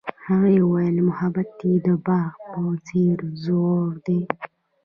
هغې وویل محبت یې د باغ په څېر ژور دی.